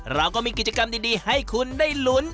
เราก็มีกิจกรรมดีให้คุณได้ลุ้น